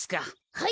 はい。